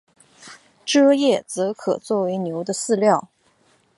蔗叶则可做为牛的饲料。